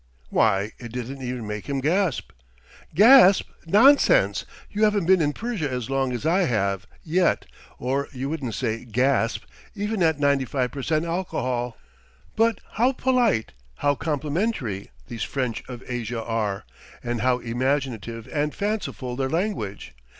"Why, it didn't even make him gasp!" "Gasp nonsense; you haven't been in Persia as long as I have yet, or you wouldn't say 'gasp' even at 95% alcohol." But how polite, how complimentary, these French of Asia are, and how imaginative and fanciful their language!